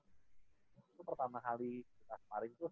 itu pertama kali kita kemarin tuh